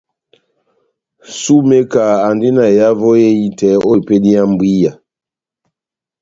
Sumeka andi na ehavo ehitɛ o epedi ya mbwiya.